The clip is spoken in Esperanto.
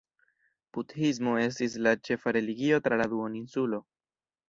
Budhismo estis la ĉefa religio tra la duoninsulo.